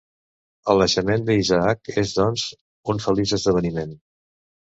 El naixement d'Isaac és doncs un feliç esdeveniment.